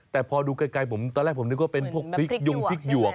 แต่พอดูไกลผมตอนแรกผมนึกว่าเป็นพวกพริกยงพริกหยวก